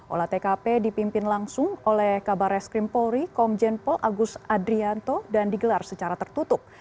olah tkp dipimpin langsung oleh kabar reskrim polri komjen pol agus adrianto dan digelar secara tertutup